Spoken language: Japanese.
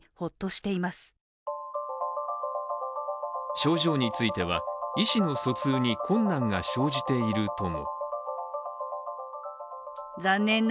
症状については、意思の疎通に困難が生じているとも。